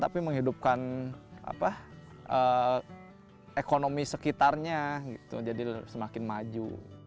tapi juga menghidupkan ekonomi sekitarnya gitu jadi semakin maju